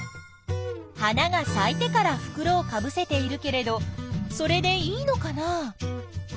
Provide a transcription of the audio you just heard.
花がさいてからふくろをかぶせているけれどそれでいいのかな？